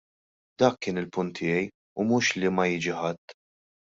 Dak kien il-punt tiegħi u mhux li ma jiġi ħadd.